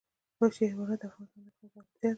وحشي حیوانات د افغانستان د اقلیم ځانګړتیا ده.